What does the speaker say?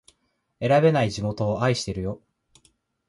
選べない地元を愛してるよ